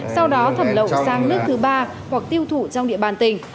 sau đó thẩm lậu sang nước thứ ba hoặc tiêu thụ trong địa bàn tỉnh